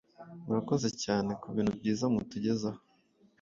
Murakoze Cyane Kubintu Byiza Mutugezaho